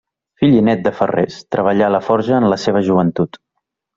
Fill i nét de ferrers, treballà la forja en la seva joventut.